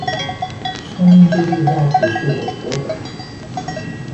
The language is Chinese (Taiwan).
上面這句話不是我說的